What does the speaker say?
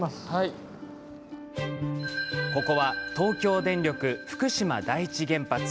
ここは東京電力、福島第一原発。